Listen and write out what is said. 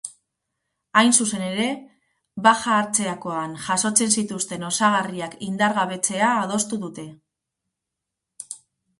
Hain zuzen ere, baja hartzeakoan jasotzen zituzten osagarriak indargabetzea adostu dute.